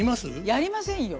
やりませんよ。